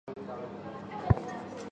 后来女儿哲哲成皇太极的中宫福晋。